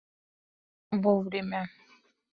вовремя